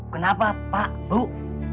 kenapa pak bu